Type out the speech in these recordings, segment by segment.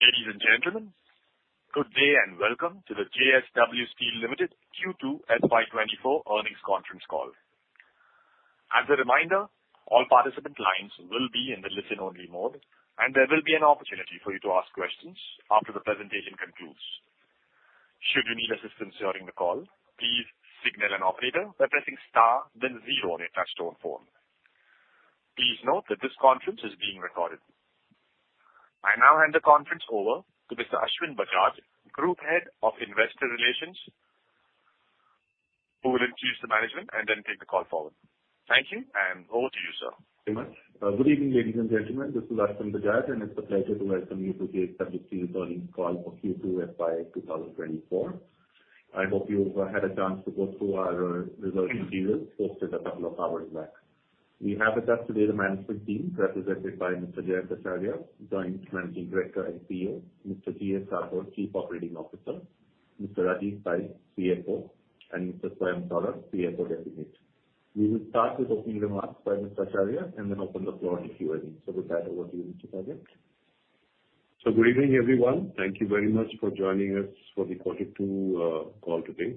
Ladies and gentlemen, good day and welcome to the JSW Steel Limited Second Quarter FY 2024 earnings conference call. As a reminder, all participant lines will be in the listen-only mode, and there will be an opportunity for you to ask questions after the presentation concludes. Should you need assistance during the call, please signal an operator by pressing star then zero on your touchtone phone. Please note that this conference is being recorded. I now hand the conference over to Mr. Ashwin Bajaj, Group Head of Investor Relations, who will introduce the management and then take the call forward. Thank you, and over to you, sir. Very much. Good evening, ladies and gentlemen, this is Ashwin Bajaj, and it's a pleasure to welcome you to the JSW Steel earnings call for Q2 FY 2024. I hope you've had a chance to go through our results, posted a couple of hours back. We have with us today the management team, represented by Mr. Jayant Acharya, Joint Managing Director and CEO, Mr. G.S. Rathore, Chief Operating Officer, Mr. Rajeev Pai, CFO, and Mr. Swayam Saurabh, CFO Designate. We will start with opening remarks by Mr. Acharya and then open the floor to Q&A. With that, over to you, Mr. Acharya. Good evening, everyone. Thank you very much for joining us for the quarter two call today.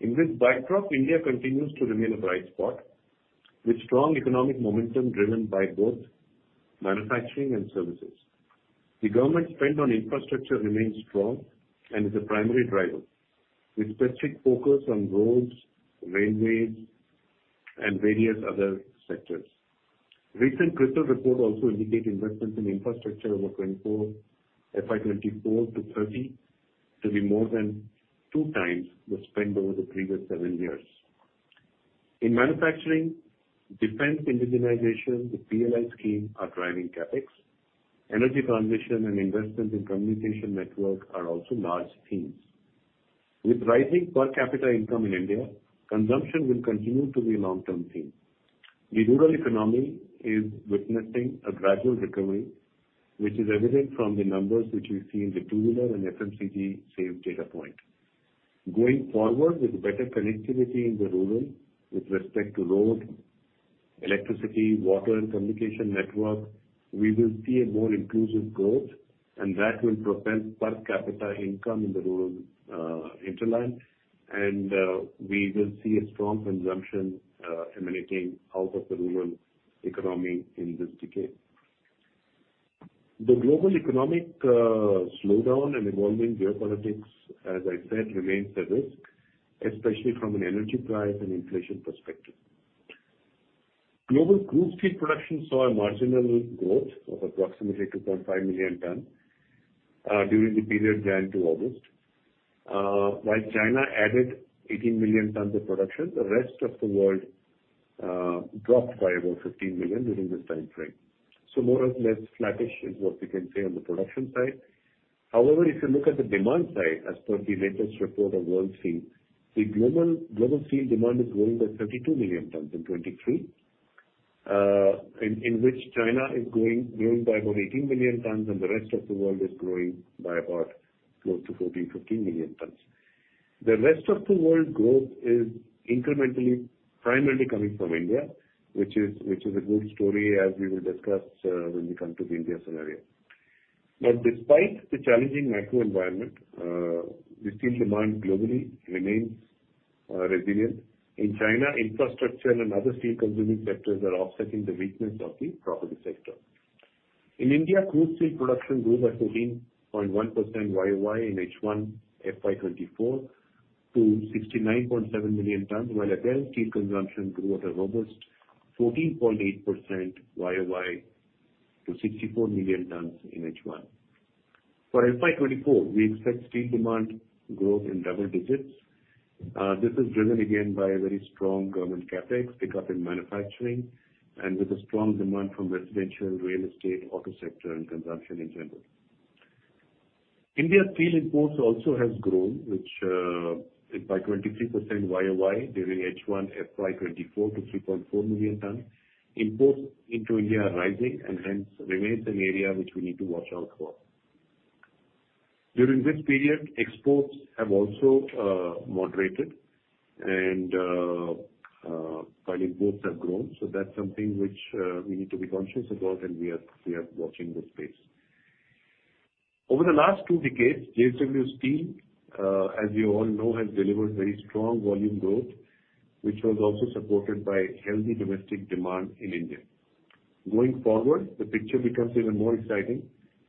In this backdrop, India continues to remain a bright spot, with strong economic momentum driven by both manufacturing and services. The government spend on infrastructure remains strong and is a primary driver, with specific focus on roads, railways, and various other sectors. Recent CRISIL report also indicate investments in infrastructure over 2024, FY 2024-2030, to be more than two times the spend over the previous seven years. In manufacturing, defense indigenization, the PLI scheme are driving CapEx. Energy transmission and investments in communication network are also large themes. With rising per capita income in India, consumption will continue to be a long-term theme. The rural economy is witnessing a gradual recovery, which is evident from the numbers which we see in the two-wheeler and FMCG sales data point. Going forward, with better connectivity in the rural with respect to road, electricity, water, and communication network, we will see a more inclusive growth, and that will propel per capita income in the rural hinterland, and we will see a strong consumption emanating out of the rural economy in this decade. The global economic slowdown and evolving geopolitics, as I said, remains a risk, especially from an energy price and inflation perspective. Global crude steel production saw a marginal growth of approximately 2.5 million tons during the period January to August. While China added 18 million tons of production, the rest of the world dropped by about 15 million during this time frame. More or less flattish is what we can say on the production side. However, if you look at the demand side, as per the latest report of Worldsteel, the global steel demand is growing by 32 million tons in 2023, in which China is growing by about 18 million tons, and the rest of the world is growing by about 12-14, 15 million tons. The rest of the world growth is incrementally, primarily coming from India, which is a good story, as we will discuss when we come to the India scenario. Despite the challenging macro environment, the steel demand globally remains resilient. In China, infrastructure and other steel-consuming sectors are offsetting the weakness of the property sector. In India, crude steel production grew by 13.1% year-over-year in H1 FY 2024 to 69.7 million tons, while apparent steel consumption grew at a robust 14.8% year-over-year to 64 million tons in H1. For FY 2024, we expect steel demand growth in double digits. This is driven again by a very strong government CapEx, pickup in manufacturing, and with a strong demand from residential, real estate, auto sector, and consumption in general. India steel imports also has grown, which is by 23% year-over-year during H1 FY 2024 to 3.4 million tons. Imports into India are rising and hence remains an area which we need to watch out for.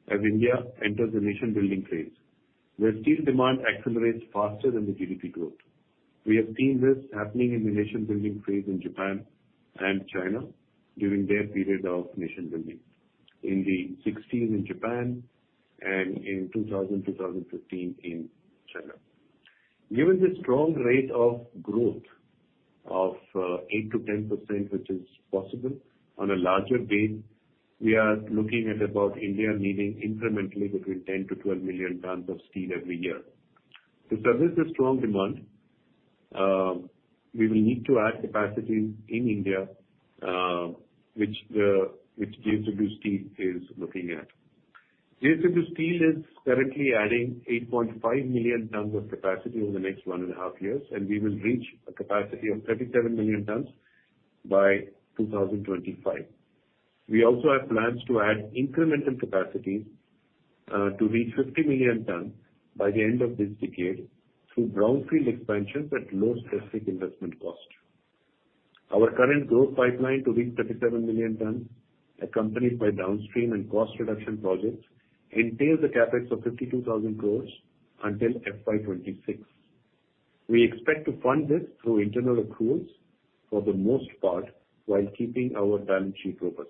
Given the strong rate of growth of 8%-10%, which is possible on a larger base, we are looking at about India needing incrementally between 10 million-12 million tons of steel every year. To service this strong demand, we will need to add capacity in India, which JSW Steel is looking at. JSW Steel is currently adding 8.5 million tons of capacity over the next one and a half years, and we will reach a capacity of 37 million tons by 2025. We also have plans to add incremental capacity to reach 50 million tons by the end of this decade through brownfield expansions at low specific investment cost. Our current growth pipeline to reach 37 million tons, accompanied by downstream and cost reduction projects, entails a CapEx of 52,000 crore until FY 2026. We expect to fund this through internal accruals for the most part, while keeping our balance sheet robust.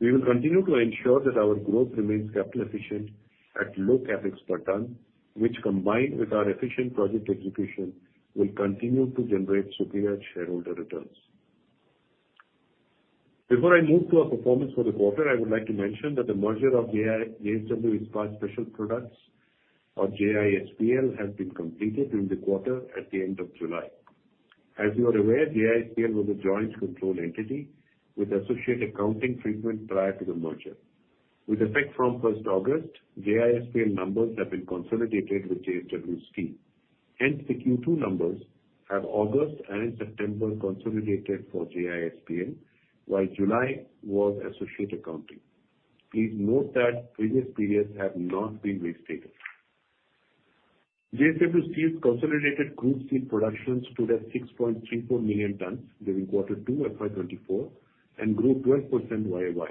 We will continue to ensure that our growth remains capital efficient at low CapEx per ton, which, combined with our efficient project execution, will continue to generate superior shareholder returns. Before I move to our performance for the quarter, I would like to mention that the merger of JSW Ispat Special Products, or JISPL, has been completed during the quarter at the end of July. As you are aware, JISPL was a joint control entity with associate accounting treatment prior to the merger. With effect from August 1st, JISPL numbers have been consolidated with JSW Steel. Hence, the Q2 numbers have August and September consolidated for JISPL, while July was associate accounting. Please note that previous periods have not been restated. JSW Steel's consolidated group steel production stood at 6.34 million tons during quarter two F.Y. 2024, and grew 12% YOY.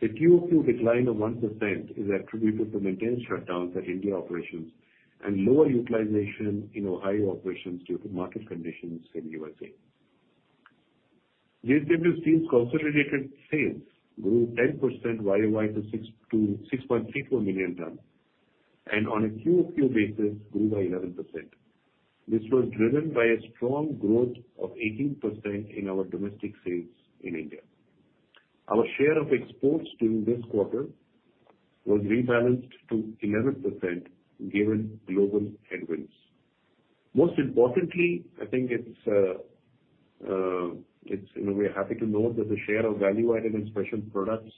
The QoQ decline of 1% is attributed to maintenance shutdowns at India operations and lower utilization in Ohio operations due to market conditions in USA. JSW Steel's consolidated sales grew 10% YOY to 6.34 million tons, and on a QoQ basis, grew by 11%. This was driven by a strong growth of 18% in our domestic sales in India. Our share of exports during this quarter was rebalanced to 11%, given global headwinds. Most importantly, I think, you know, we are happy to note that the share of value-added and special products,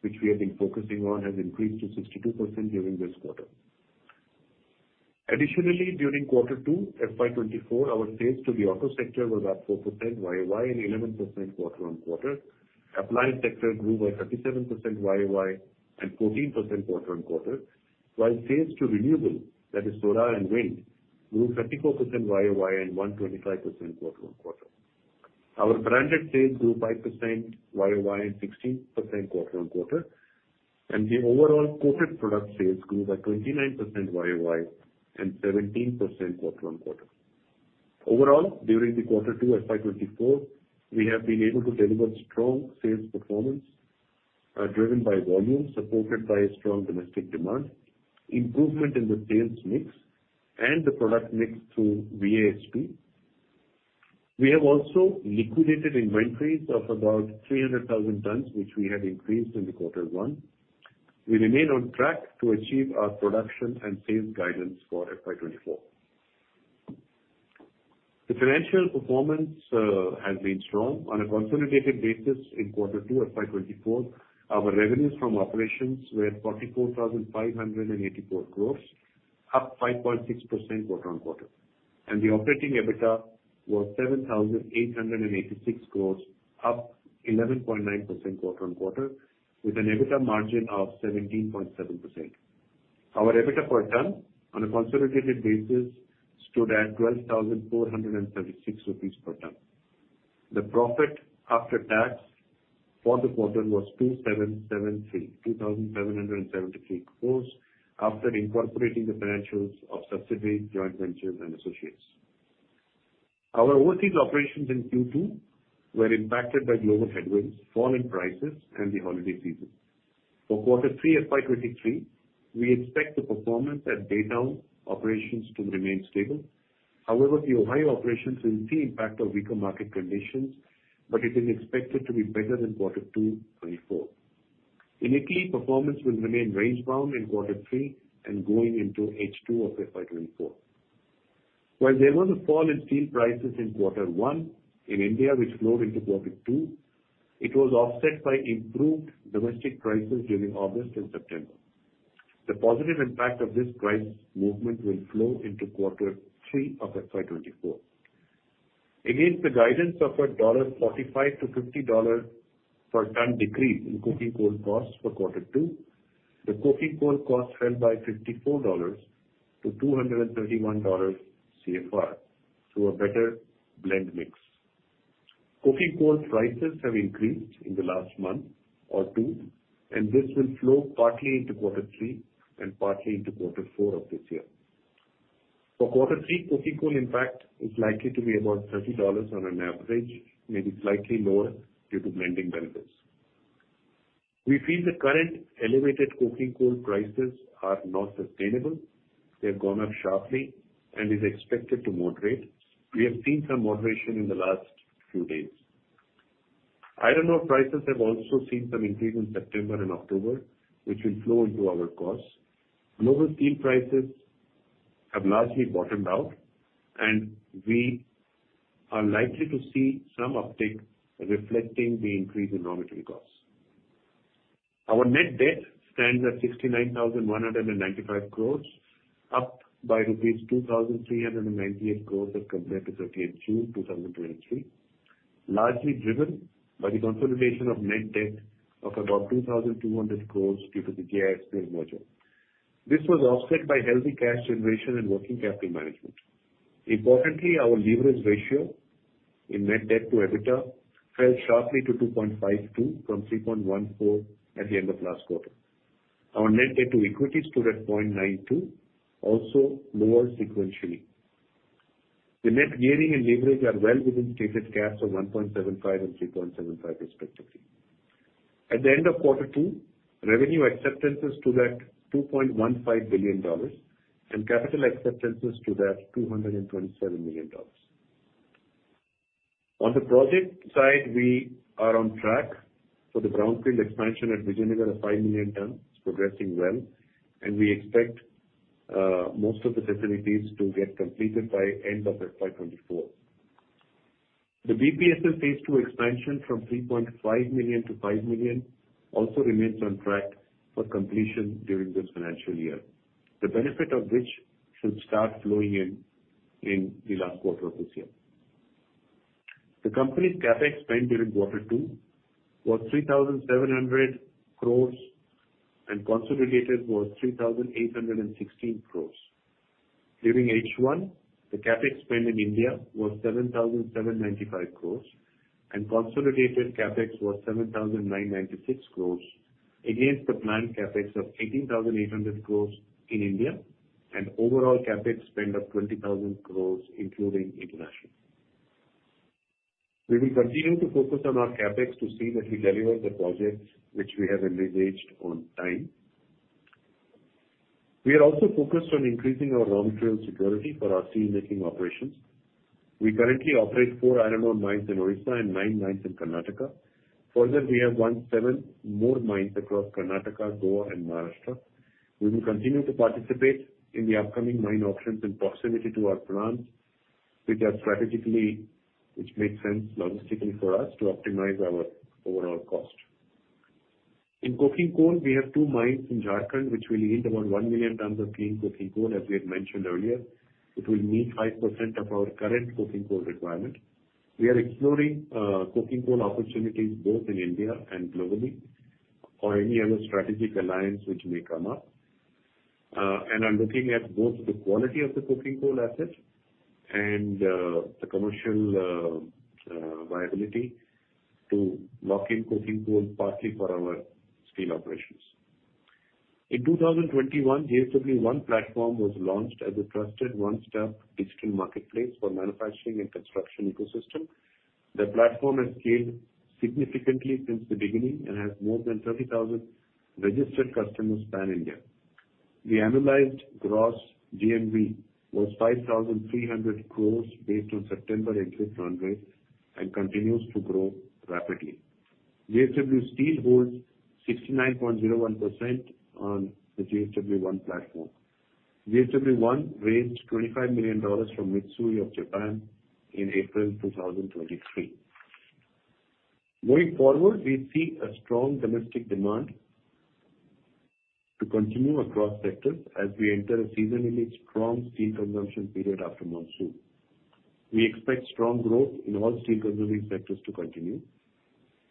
which we have been focusing on, has increased to 62% during this quarter. Additionally, during quarter two FY 2024, our sales to the auto sector were up 4% YoY and 11% quarter-over-quarter. Appliance sector grew by 37% YoY and 14% quarter-over-quarter, while sales to renewable, that is solar and wind, grew 34% YoY and 125% quarter-over-quarter. Our branded sales grew by % YoY and 16% quarter-over-quarter, and the overall coated product sales grew by 29% YoY and 17% quarter-over-quarter. Overall, during the quarter two FY 2024, we have been able to deliver strong sales performance driven by volume, supported by a strong domestic demand, improvement in the sales mix and the product mix through VASP. We have also liquidated inventories of about 300,000 tons, which we had increased in the quarter one. We remain on track to achieve our production and sales guidance for FY 2024. The financial performance has been strong. On a consolidated basis in quarter two FY 2024, our revenues from operations were 44,584 crore, up 5.6% quarter-over-quarter. The operating EBITDA was 7,886 crore, up 11.9% quarter-over-quarter, with an EBITDA margin of 17.7%. Our EBITDA per ton on a consolidated basis stood at 12,436 rupees per ton. The profit after tax for the quarter was 2,773, 2,773 crore, after incorporating the financials of subsidiaries, joint ventures, and associates. Our overseas operations in Q2 were impacted by global headwinds, falling prices, and the holiday season. For quarter three FY 2023, we expect the performance at the India operations to remain stable. However, the Ohio operations will see impact of weaker market conditions, but it is expected to be better than quarter two, 2024. Italy performance will remain range-bound in quarter three and going into H2 of FY 2024. While there was a fall in steel prices in quarter one in India, which flowed into quarter two, it was offset by improved domestic prices during August and September. The positive impact of this price movement will flow into quarter three of FY 2024. Against the guidance of a $45-$50 per ton decrease in coking coal costs for quarter two, the coking coal costs fell by $54 to $231 CFR through a better blend mix. Coking coal prices have increased in the last month or two, and this will flow partly into quarter three and partly into quarter four of this year. For quarter three, coking coal, in fact, is likely to be about $30 on an average, maybe slightly lower due to blending benefits. We feel the current elevated coking coal prices are not sustainable. They've gone up sharply and is expected to moderate. We have seen some moderation in the last few days. Iron ore prices have also seen some increase in September and October, which will flow into our costs. Global steel prices have largely bottomed out, and we are likely to see some uptick, reflecting the increase in raw material costs. Our net debt stands at 69,195 crore, up by rupees 2,398 crore as compared to 30th June 2023. Largely driven by the consolidation of net debt of about 2,200 crore due to the JSW merger. This was offset by healthy cash generation and working capital management. Importantly, our leverage ratio in net debt to EBITDA fell sharply to 2.52 from 3.14 at the end of last quarter. Our net debt to equity stood at 0.92, also lower sequentially. The net gearing and leverage are well within stated caps of 1.75 and 3.75 respectively. At the end of quarter two, revenue acceptances stood at $2.15 billion, and capital acceptances stood at $227 million. On the project side, we are on track for the brownfield expansion at Vizag of 5 million tons. It's progressing well, and we expect most of the facilities to get completed by end of FY 2024. The BPSL phase two expansion from 3.5 million-5 million also remains on track for completion during this financial year, the benefit of which should start flowing in in the last quarter of this year. The company's CapEx spend during Quarter two was 3,700 crore and consolidated was 3,816 crore. During H1, the CapEx spend in India was 7,795 crore and consolidated CapEx was 7,996 crore, against the planned CapEx of 18,800 crore in India, and overall, CapEx spend of 20,000 crore including international. We will continue to focus on our CapEx to see that we deliver the projects which we have envisaged on time. We are also focused on increasing our raw material security for our steelmaking operations. We currently operate four iron ore mines in Odisha and nine mines in Karnataka. Further, we have won seven more mines across Karnataka, Goa and Maharashtra. We will continue to participate in the upcoming mine auctions in proximity to our plants, which makes sense logistically for us to optimize our overall cost. In coking coal, we have two mines in Jharkhand, which will yield about 1 million tons of clean coking coal, as we had mentioned earlier. It will meet 5% of our current coking coal requirement. We are exploring coking coal opportunities both in India and globally, or any other strategic alliance which may come up. Are looking at both the quality of the coking coal asset and the commercial viability to lock in coking coal, partly for our steel operations. In 2021, JSW One Platform was launched as a trusted one-stop digital marketplace for manufacturing and construction ecosystem. The platform has scaled significantly since the beginning and has more than 30,000 registered customers pan-India. The annualized gross GMV was 5,300 crore based on September exit, and continues to grow rapidly. JSW Steel holds 69.01% on the JSW One Platform. JSW One raised $25 million from Mitsui of Japan in April 2023. Going forward, we see a strong domestic demand to continue across sectors as we enter a seasonally strong steel consumption period after monsoon. We expect strong growth in all steel consuming sectors to continue.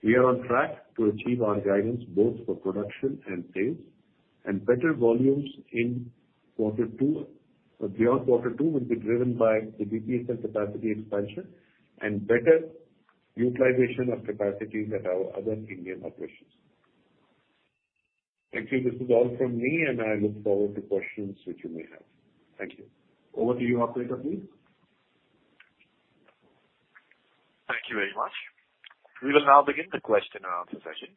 We are on track to achieve our guidance, both for production and sales. Better volumes in quarter two, or beyond quarter two, will be driven by the BPSL capacity expansion and better utilization of capacity at our other Indian operations. Thank you. This is all from me, and I look forward to questions which you may have. Thank you. Over to you, operator, please. Thank you very much. We will now begin the question and answer session.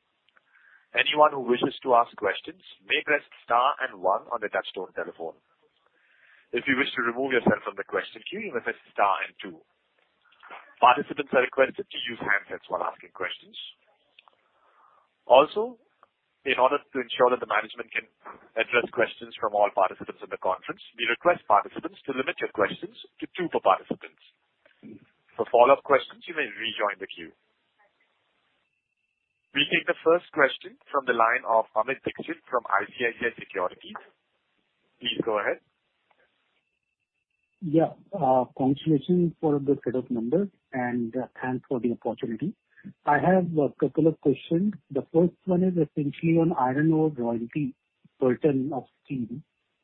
Anyone who wishes to ask questions may press star and one on their touch-tone telephone. If you wish to remove yourself from the question queue, you may press star and two. Participants are requested to use handsets while asking questions. Also, in order to ensure that the management can address questions from all participants in the conference, we request participants to limit your questions to two per participants. For follow-up questions, you may rejoin the queue. We take the first question from the line of Amit Dixit from ICICI Securities. Please go ahead. Yeah, congratulations for the set of numbers and thanks for the opportunity. I have a couple of questions. The first one is essentially on iron ore royalty, burden of steel.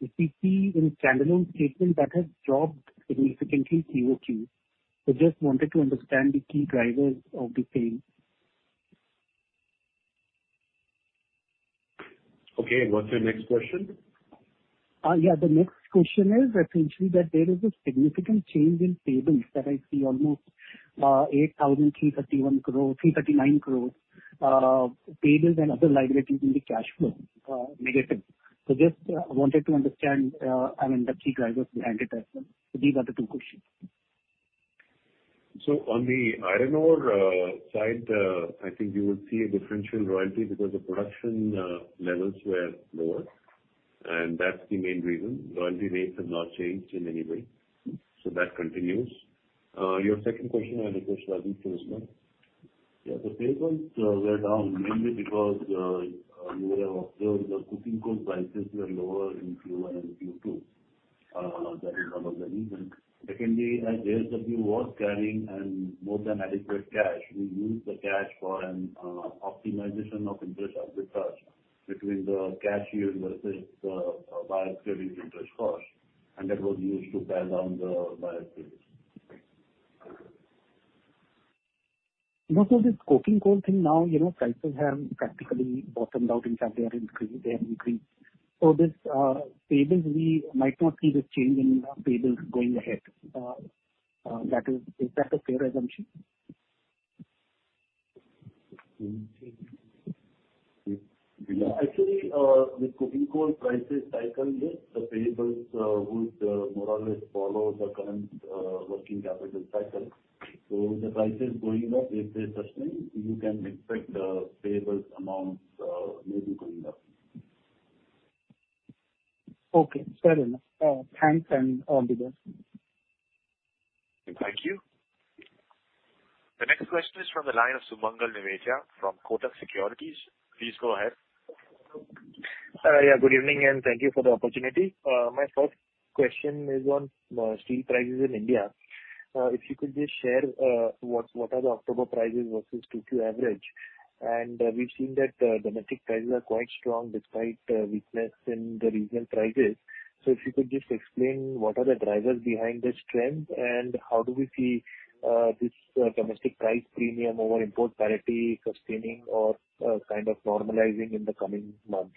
We see in the standalone statement that has dropped significantly QoQ. Just wanted to understand the key drivers of the same. Okay, and what's your next question? Yeah, the next question is essentially that there is a significant change in payables that I see almost 8,331 crore, 339 crore payables and other liabilities in the cash flow negative. Just wanted to understand, I mean, the key drivers behind it as well. These are the two questions. On the iron ore side, I think you would see a differential royalty because the production levels were lower, and that's the main reason. Royalty rates have not changed in any way, so that continues. Your second question, I request Ravi to answer. Yeah, the payables were down mainly because you would have observed the coking coal prices were lower in Q1 and Q2. That is one of the reasons. Secondly, as JSW was carrying an more than adequate cash, we used the cash for an optimization of interest arbitrage between the cash yields versus buyer credit interest cost, and that was used to pay down the buyer credits. Most of this coking coal thing now, you know, prices have practically bottomed out. In fact, they are increased, they have increased. This payables, we might not see the change in payables going ahead. Is that a fair assumption? Actually, with coking coal prices cycle, yes, the payables would more or less follow the current working capital cycle. The prices going up, if they sustain, you can expect the payables amounts maybe going up. Okay, fair enough. Thanks, and all the best. Thank you. The next question is from the line of Sumangal Nevatia from Kotak Securities. Please go ahead. Yeah, good evening, and thank you for the opportunity. My first question is on steel prices in India. If you could just share what are the October prices versus Q2 average? We've seen that domestic prices are quite strong despite weakness in the regional prices. If you could just explain what are the drivers behind this trend, and how do we see this domestic price premium over import parity sustaining or kind of normalizing in the coming months?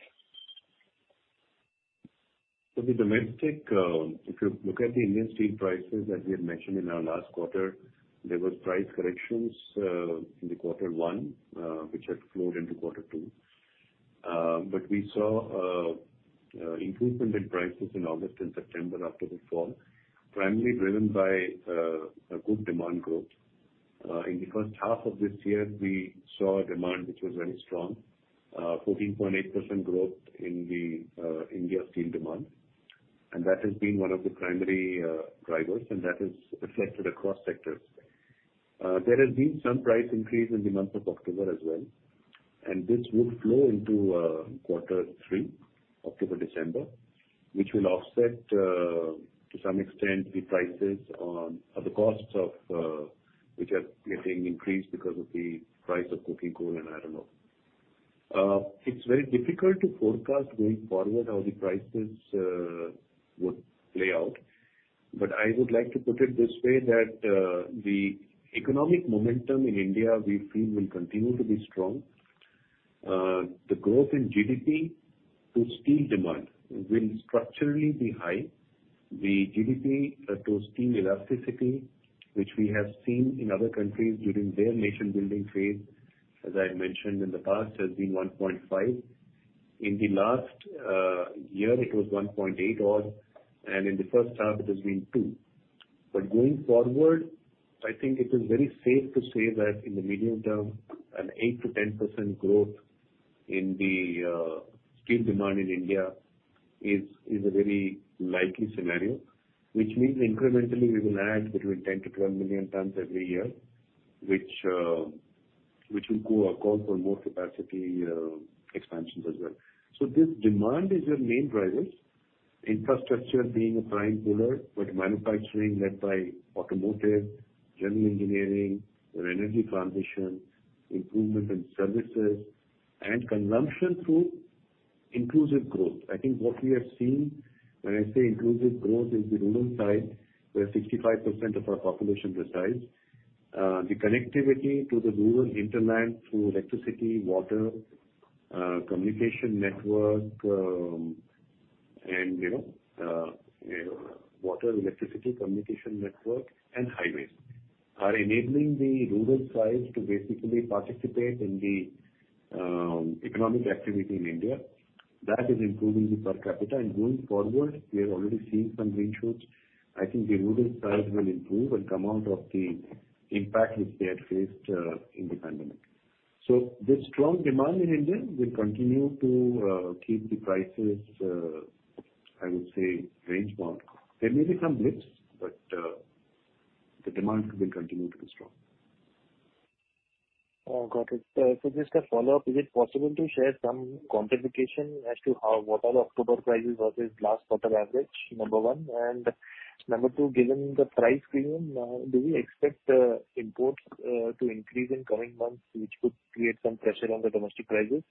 The domestic, if you look at the Indian steel prices that we had mentioned in our last quarter, there was price corrections in the Quarter 1, which had flowed into Quarter two. But we saw improvement in prices in August and September after the fall, primarily driven by a good demand growth. In the first half of this year, we saw a demand which was very strong, 14.8% growth in the India steel demand, and that has been one of the primary drivers, and that has affected across sectors. There has been some price increase in the month of October as well, and this would flow into Quarter Three, October-December, which will offset to some extent the prices on or the costs of which are getting increased because of the price of coking coal and iron ore. It's very difficult to forecast going forward how the prices would play out, but I would like to put it this way, that the economic momentum in India, we feel, will continue to be strong. The growth in GDP to steel demand will structurally be high. The GDP to steel elasticity, which we have seen in other countries during their nation-building phase, as I mentioned in the past, has been 1.5. In the last year, it was 1.8 odd, and in the first half, it has been two. Going forward, I think it is very safe to say that in the medium term, an 8%-10% growth in the steel demand in India is a very likely scenario. Which means incrementally we will add between 10 million-12 million tons every year, which will call for more capacity expansions as well. This demand is the main drivers, infrastructure being a prime pillar, with manufacturing led by automotive, general engineering, and energy transition, improvement in services, and consumption through inclusive growth. I think what we have seen, when I say inclusive growth, is the rural side, where 65% of our population resides. The connectivity to the rural hinterland through electricity, water, communication network, and, you know, water, electricity, communication network, and highways are enabling the rural sides to basically participate in the economic activity in India. That is improving the per capita. Going forward, we have already seen some green shoots. I think the rural sides will improve and come out of the impact which they had faced in the pandemic. This strong demand in India will continue to keep the prices, I would say, range-bound. There may be some blips, but the demand will continue to be strong. Oh, got it. Just a follow-up. Is it possible to share some quantification as to what are October prices versus last quarter average? Number one. Number two, given the price premium, do you expect imports to increase in coming months, which could create some pressure on the domestic prices?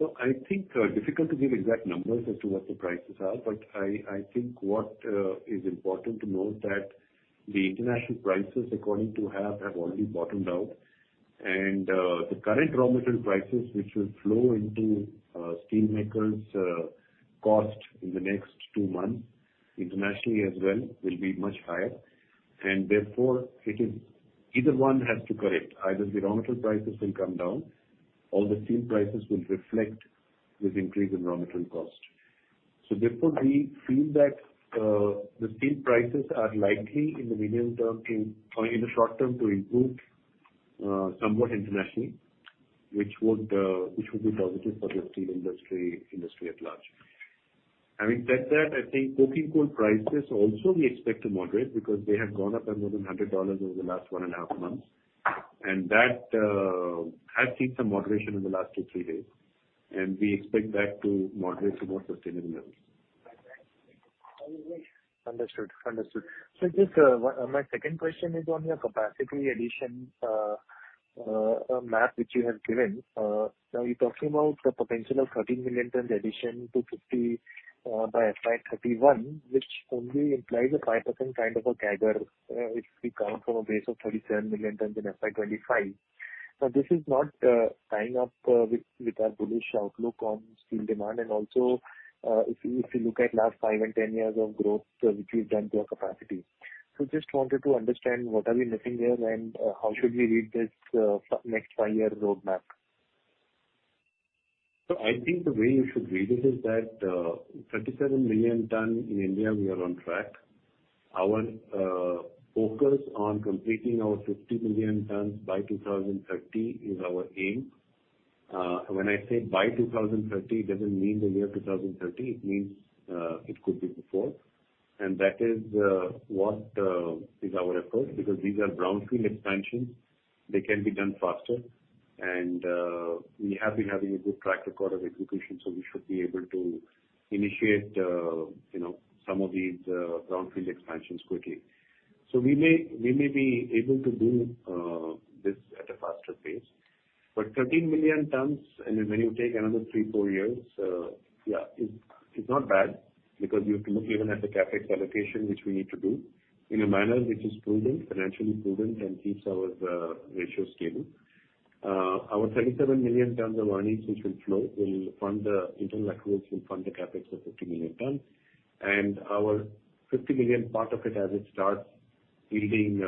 I think difficult to give exact numbers as to what the prices are, but I think what is important to note that the international prices, according to half, have already bottomed out. The current raw material prices, which will flow into steelmakers' cost in the next two months, internationally as well, will be much higher. Therefore, it is either one has to correct, either the raw material prices will come down or the steel prices will reflect this increase in raw material cost. Therefore, we feel that the steel prices are likely in the medium term to or in the short term to improve somewhat internationally, which would be positive for the steel industry at large. Having said that, I think coking coal prices also we expect to moderate, because they have gone up by more than $100 over the last one and a half months. That has seen some moderation in the last two, three days, and we expect that to moderate to more sustainable levels. Understood. Understood. Just one, my second question is on your capacity addition map, which you have given. Now you're talking about the potential of 13 million tons addition to 50 by FY 2031, which only implies a 5% kind of a CAGR if we come from a base of 37 million tons in FY 2025. Now, this is not tying up with our bullish outlook on steel demand. Also, if you look at last five and 10 years of growth which you've done to your capacity. Just wanted to understand what are we missing here, and how should we read this next five-year roadmap? I think the way you should read it is that 37 million ton in India, we are on track. Our focus on completing our 50 million tons by 2030 is our aim. When I say by 2030, it doesn't mean the year 2030, it means it could be before. That is what is our approach, because these are brownfield expansions, they can be done faster. We have been having a good track record of execution, so we should be able to initiate, you know, some of these brownfield expansions quickly. We may be able to do this at a faster pace. 13 million tons, and when you take another three, four years, yeah, it's not bad, because you have to look even at the CapEx allocation, which we need to do in a manner which is prudent, financially prudent, and keeps our ratios stable. Our 37 million tons of earnings, which will flow, will fund the internal accruals, will fund the CapEx of 50 million tons. Our 50 million, part of it, as it starts yielding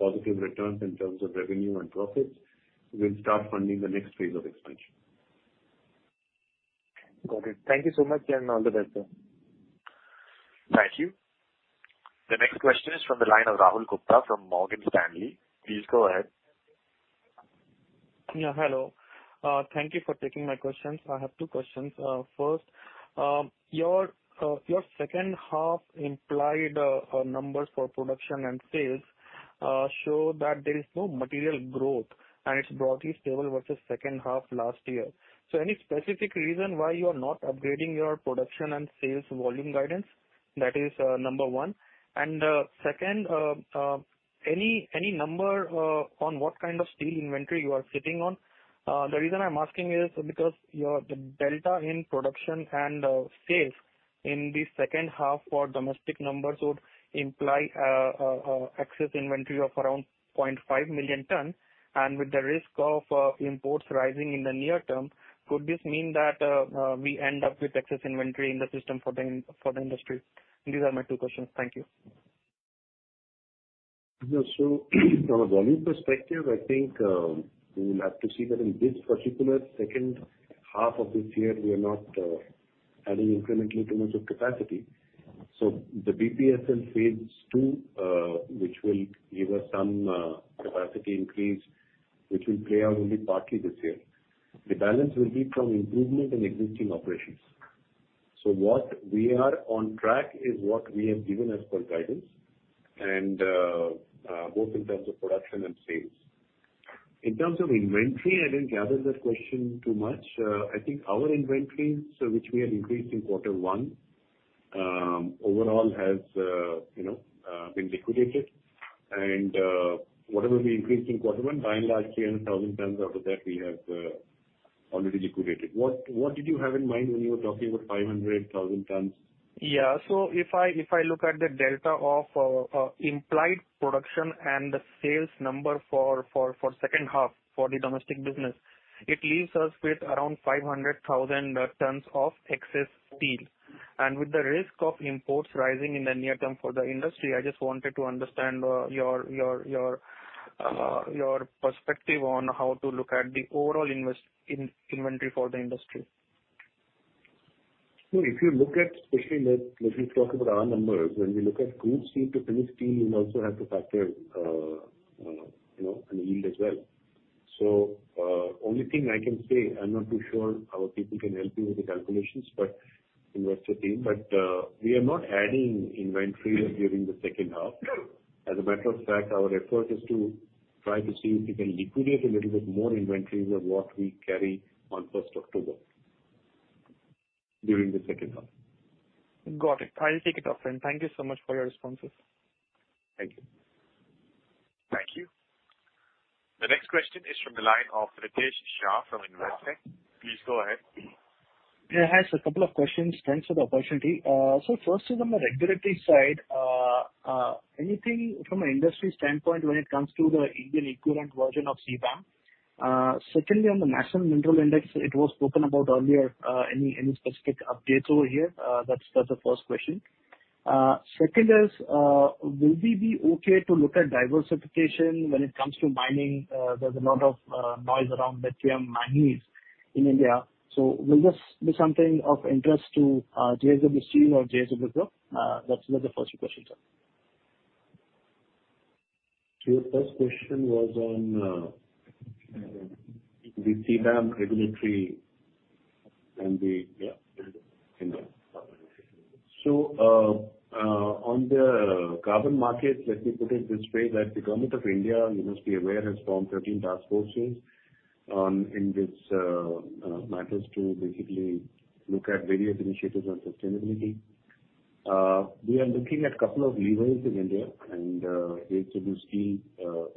positive returns in terms of revenue and profits, we'll start funding the next phase of expansion. Got it. Thank you so much, and all the best, sir. Thank you. The next question is from the line of Rahul Gupta from Morgan Stanley. Please go ahead. Yeah, hello. Thank you for taking my questions. I have two questions. First, your second half implied numbers for production and sales show that there is no material growth, and it's broadly stable versus second half last year. Any specific reason why you are not upgrading your production and sales volume guidance? That is number one. Second, any number on what kind of steel inventory you are sitting on? The reason I'm asking is because the delta in production and sales in the second half for domestic numbers would imply excess inventory of around 0.5 million tons. With the risk of imports rising in the near term, could this mean that we end up with excess inventory in the system for the industry? These are my two questions. Thank you. Yeah. From a volume perspective, I think we will have to see that in this particular second half of this year, we are not adding incrementally to much of capacity. The BPSL Phase Two, which will give us some capacity increase, which will play out only partly this year. The balance will be from improvement in existing operations. What we are on track is what we have given as per guidance, both in terms of production and sales. In terms of inventory, I didn't gather that question too much. I think our inventory, which we had increased in quarter one, overall has, you know, been liquidated. Whatever we increased in quarter one, 900,000 tons out of that, we have already liquidated. What did you have in mind when you were talking about 500,000 tons? Yeah. If I look at the delta of implied production and the sales number for second half for the domestic business, it leaves us with around 500,000 tons of excess steel. With the risk of imports rising in the near term for the industry, I just wanted to understand your perspective on how to look at the overall inventory for the industry. If you look at, especially let me talk about our numbers. When we look at crude steel to finished steel, you also have to factor, you know, in yield as well. Only thing I can say, I'm not too sure our people can help you with the calculations, but in what you think. We are not adding inventory during the second half. As a matter of fact, our effort is to try to see if we can liquidate a little bit more inventories of what we carry on 1st October, during the second half. Got it. I'll take it off then. Thank you so much for your responses. Thank you. Thank you. The next question is from the line of Ritesh Shah from Investec. Please go ahead. Yeah. Hi, sir. A couple of questions. Thanks for the opportunity. First is on the regulatory side. Anything from an industry standpoint when it comes to the Indian equivalent version of CBAM? Secondly, on the National Mineral Index, it was spoken about earlier. Any specific updates over here? That's the first question. Second is, will we be okay to look at diversification when it comes to mining? There's a lot of noise around lithium, manganese in India. Will this be something of interest to JSW or JSW Group? That's the first question, sir. Your first question was on the CBAM regulatory and the, yeah, India. On the carbon market, let me put it this way, that the government of India, you must be aware, has formed 13 task forces in this matters to basically look at various initiatives on sustainability. We are looking at a couple of levers in India, and JSW Steel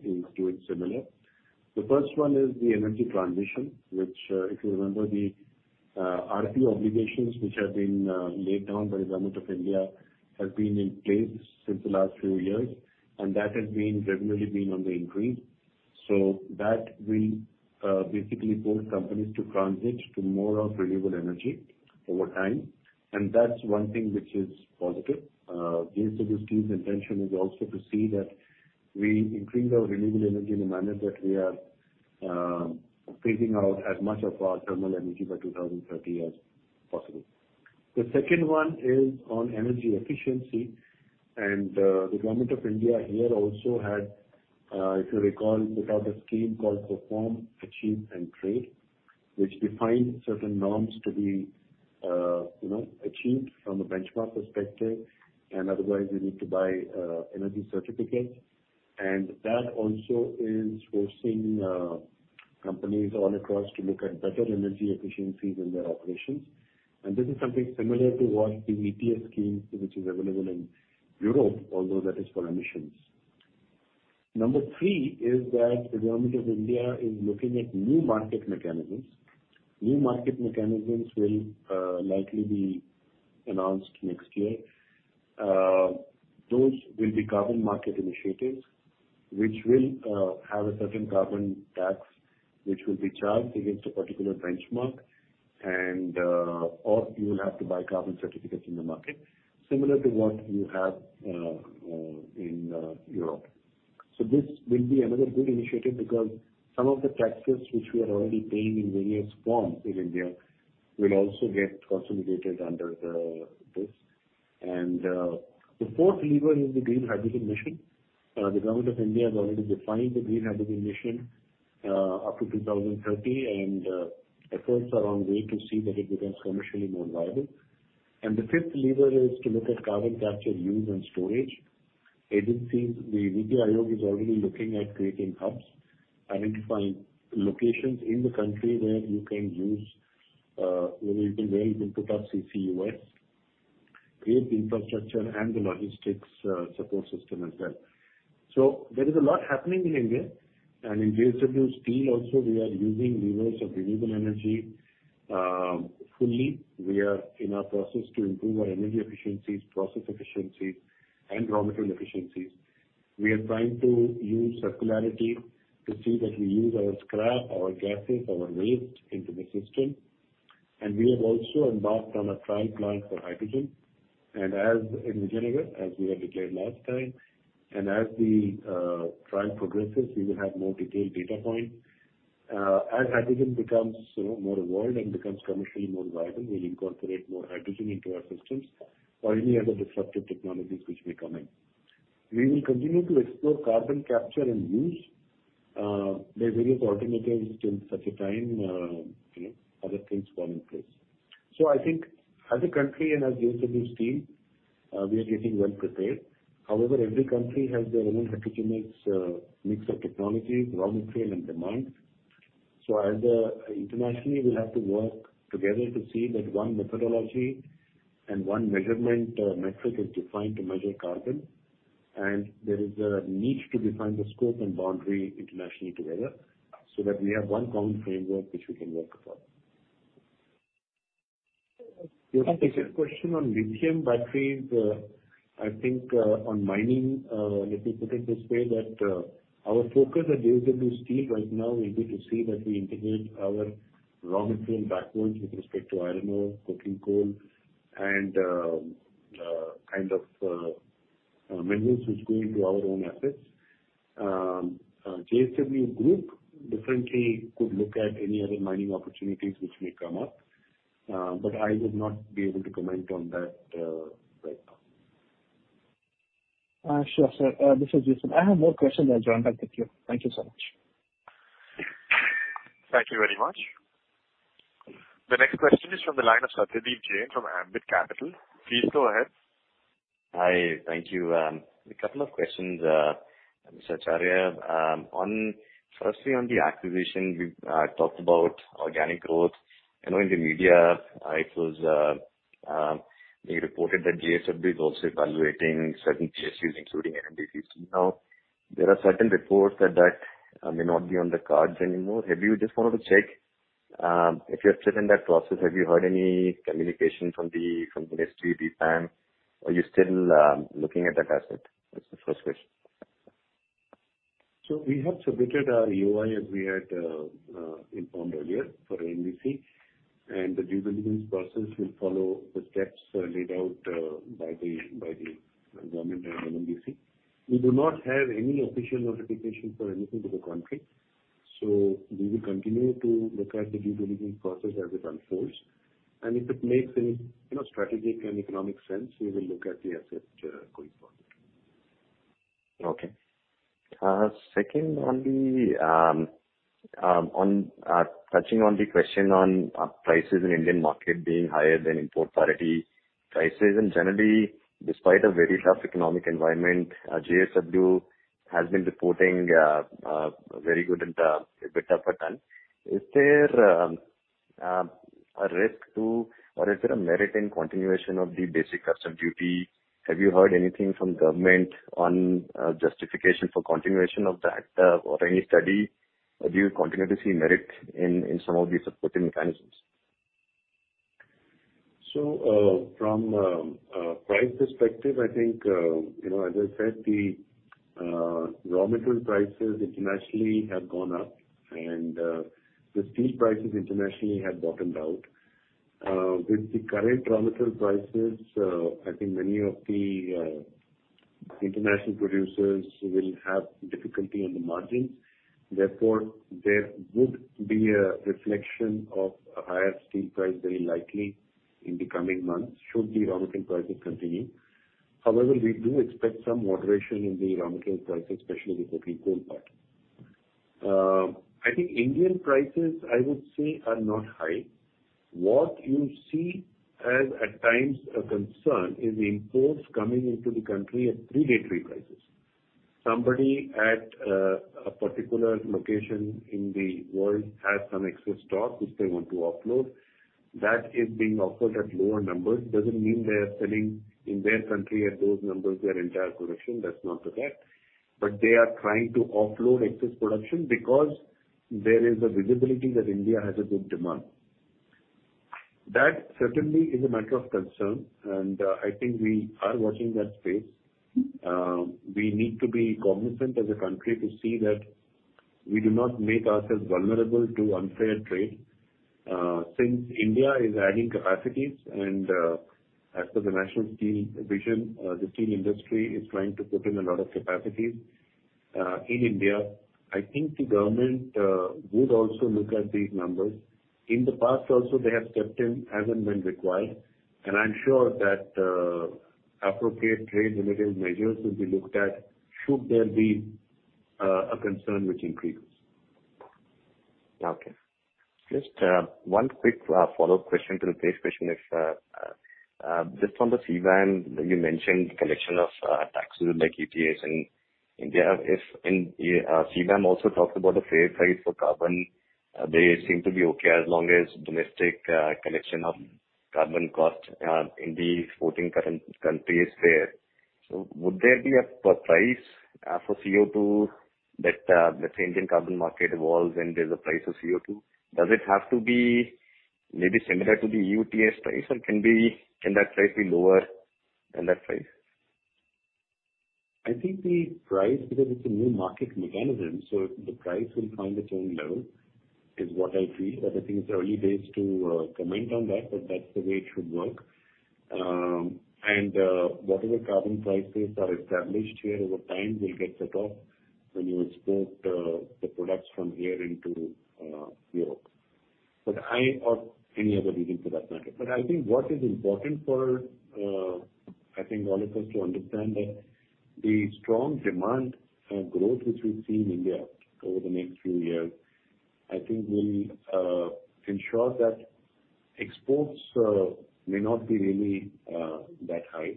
is doing similar. The first one is the energy transition, which, if you remember, the RP Obligations, which have been laid down by the government of India, have been in place since the last few years, and that has been regularly been on the increase. That will basically force companies to transit to more of renewable energy over time, and that's one thing which is positive. JSW Steel's intention is also to see that we increase our renewable energy in a manner that we are phasing out as much of our thermal energy by 2030 as possible. The second one is on energy efficiency, and the Government of India here also had, if you recall, put out a scheme called Perform, Achieve and Trade, which defines certain norms to be, you know, achieved from a benchmark perspective, and otherwise you need to buy energy certificates. That also is forcing companies all across to look at better energy efficiencies in their operations. This is something similar to what the ETS scheme, which is available in Europe, although that is for emissions. Number three is that the Government of India is looking at new market mechanisms. New market mechanisms will likely be announced next year. Those will be carbon market initiatives, which will have a certain carbon tax, which will be charged against a particular benchmark, and or you will have to buy carbon certificates in the market, similar to what you have in Europe. This will be another good initiative because some of the taxes which we are already paying in various forms in India will also get consolidated under this. The fourth lever is the Green Hydrogen Mission. The Government of India has already defined the Green Hydrogen Mission up to 2030, and efforts are on way to see that it becomes commercially more viable. The fifth lever is to look at Carbon Capture, Use and Storage. Agencies, the NITI Aayog, is already looking at creating hubs, identifying locations in the country where you can put up CCUS, create the infrastructure and the logistics support system as well. There is a lot happening in India. In JSW Steel also, we are using levers of renewable energy fully. We are in a process to improve our energy efficiencies, process efficiencies, and raw material efficiencies. We are trying to use circularity to see that we use our scrap, our gases, our waste into the system. We have also embarked on a trial plant for hydrogen. As in January, as we had declared last time, and as the trial progresses, we will have more detailed data points. As hydrogen becomes, you know, more evolved and becomes commercially more viable, we'll incorporate more hydrogen into our systems or any other disruptive technologies which may come in. We will continue to explore carbon capture and use the various alternatives till such a time, you know, other things fall in place. I think as a country and as JSW Steel, we are getting well prepared. However, every country has their own particular mix of technologies, raw material, and demand. As internationally, we'll have to work together to see that one methodology and one measurement metric is defined to measure carbon. There is a need to define the scope and boundary internationally together, so that we have one common framework which we can work upon. Thank you, sir. The second question on lithium batteries, I think on mining, let me put it this way, that our focus at JSW Steel right now will be to see that we integrate our raw material backwards with respect to iron ore, coking coal, and kind of minerals which go into our own assets. JSW Group differently could look at any other mining opportunities which may come up, but I would not be able to comment on that right now. Sure, sir. This is Jason. I have more questions. I'll join back with you. Thank you so much. Thank you very much. The next question is from the line of Satyadeep Jain from Ambit Capital. Please go ahead. Hi. Thank you. A couple of questions, Mr. Acharya. Firstly, on the acquisition, we've talked about organic growth. You know, in the media, it was, they reported that JSW is also evaluating certain cases, including NMDC. Now, there are certain reports that that may not be on the cards anymore. Have you just wanted to check, if you have checked in that process, have you heard any communication from the industry, the DIPAM, are you still looking at that asset? That's the first question. We have submitted our EOI, as we had informed earlier for NMDC, and the due diligence process will follow the steps laid out by the government and NMDC. We do not have any official notification for anything to the contrary, so we will continue to look at the due diligence process as it unfolds, and if it makes any, you know, strategic and economic sense, we will look at the asset going forward. Okay. Second, touching on the question on prices in Indian market being higher than import parity prices, and generally, despite a very tough economic environment, JSW has been reporting very good in EBITDA per ton. Is there a risk to, or is there a merit in continuation of the Basic Customs Duty? Have you heard anything from government on justification for continuation of the act or any study? Do you continue to see merit in some of these supporting mechanisms? From price perspective, I think, you know, as I said, the raw material prices internationally have gone up, and the steel prices internationally have bottomed out. With the current raw material prices, I think many of the international producers will have difficulty on the margins. Therefore, there would be a reflection of a higher steel price, very likely in the coming months, should the raw material prices continue. However, we do expect some moderation in the raw material prices, especially with the coking coal part. I think Indian prices, I would say, are not high. What you see as, at times, a concern is imports coming into the country at predatory prices. Somebody at a particular location in the world has some excess stock, which they want to offload. That is being offered at lower numbers. Doesn't mean they are selling in their country at those numbers, their entire production. That's not the fact. They are trying to offload excess production because there is a visibility that India has a good demand. That certainly is a matter of concern, and I think we are watching that space. We need to be cognizant as a country to see that we do not make ourselves vulnerable to unfair trade. Since India is adding capacities and, as per the National Steel Vision, the steel industry is trying to put in a lot of capacities in India. I think the government would also look at these numbers. In the past also they have stepped in as and when required, and I'm sure that appropriate trade limited measures will be looked at, should there be a concern which increases. Okay. Just one quick follow-up question to the first question. If just on the CBAM, you mentioned collection of taxes like ETS in India. If in CBAM also talked about a fair price for carbon, they seem to be okay as long as domestic collection of carbon costs in the exporting current countries there. Would there be a price for CO2 that the Indian carbon market evolves when there's a price of CO2? Does it have to be maybe similar to the ETS price, or can that price be lower than that price? I think the price, because it's a new market mechanism, so the price will find its own level, is what I feel. I think it's early days to comment on that, but that's the way it should work. Whatever carbon prices are established here over time will get set off when you export the products from here into Europe or any other region for that matter. I think what is important for I think all of us to understand that the strong demand growth, which we see in India over the next few years, I think will ensure that exports may not be really that high.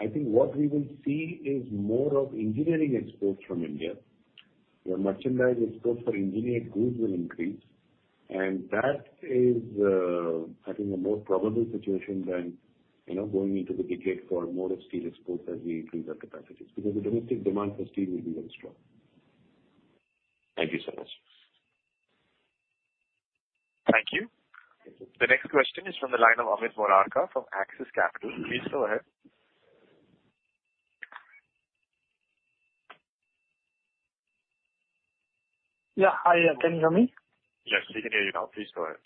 I think what we will see is more of engineering exports from India, where merchandise exports for engineered goods will increase. That is, I think, a more probable situation than, you know, going into the detail for more of steel exports as we increase our capacities, because the domestic demand for steel will be very strong. Thank you so much. Thank you. The next question is from the line of Amit Murarka from Axis Capital. Please go ahead. Yeah. Hi, can you hear me? Yes, we can hear you now. Please go ahead.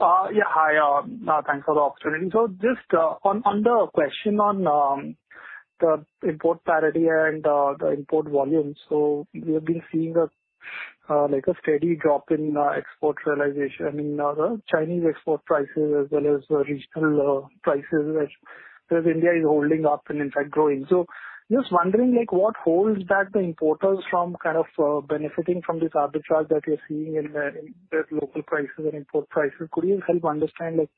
Yeah. Hi, thanks for the opportunity. Just on the question on the import parity and the import volumes. We have been seeing that- Like a steady drop in export realization in the Chinese export prices as well as regional prices, as India is holding up and in fact growing. Just wondering, like, what holds back the importers from kind of benefiting from this arbitrage that you're seeing in the local prices and import prices? Could you help understand, like,